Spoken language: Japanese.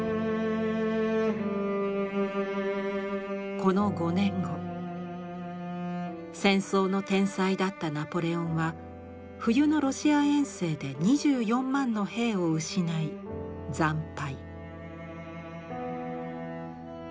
この５年後戦争の天才だったナポレオンは冬のロシア遠征で２４万の兵を失い惨敗。